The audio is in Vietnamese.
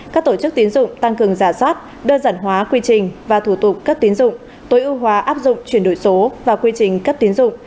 các tổ chức tiến dụng tăng cường giả soát đơn giản hóa quy trình và thủ tục cấp tiến dụng tối ưu hóa áp dụng chuyển đổi số và quy trình cấp tiến dụng